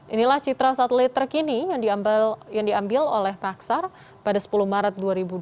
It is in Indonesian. inilah citra satelit terkini yang diambil oleh paksar pada sepuluh maret dua ribu dua puluh